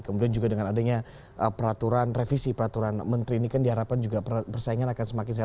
kemudian juga dengan adanya peraturan revisi peraturan menteri ini kan diharapkan juga persaingan akan semakin sehat